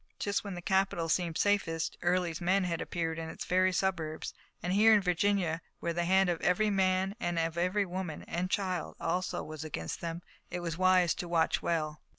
Just when the capital seemed safest Early's men had appeared in its very suburbs, and here in Virginia, where the hand of every man and of every woman and child also was against them, it was wise to watch well.